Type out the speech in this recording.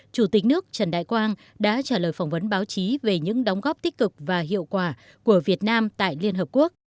chủ tịch nước trần đại quang đã trả lời phỏng vấn báo chí về những đóng góp tích cực và hiệu quả của việt nam tại liên hợp quốc